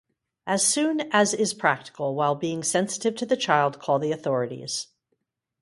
As soon as is practical, while being sensitive to the child, call the authorities.